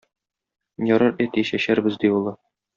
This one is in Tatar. Ярар, әти, чәчәрбез, - ди улы.